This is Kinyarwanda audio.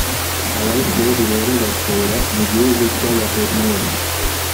abayisraheli rero batura mu gihugu cy’abahemori.